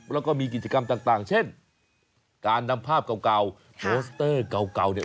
แล้วก็มีกิจกรรมต่างเช่นการนำภาพเก่าโปสเตอร์เก่าเนี่ย